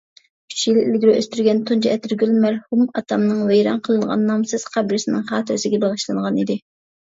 ئۈچ يىل ئىلگىرى ئۆستۈرگەن تۇنجى ئەتىرگۈل مەرھۇم ئاتامنىڭ ۋەيران قىلىنغان نامسىز قەبرىسىنىڭ خاتىرىسىگە بېغىشلانغان ئىدى.